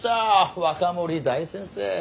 若森大先生。